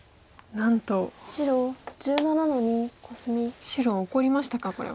なんと白怒りましたかこれは。